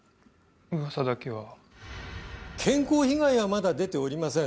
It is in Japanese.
噂だけは健康被害はまだ出ておりません